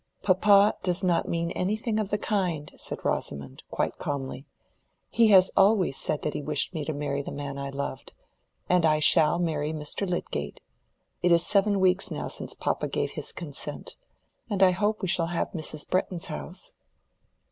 "Papa does not mean anything of the kind," said Rosamond, quite calmly. "He has always said that he wished me to marry the man I loved. And I shall marry Mr. Lydgate. It is seven weeks now since papa gave his consent. And I hope we shall have Mrs. Bretton's house."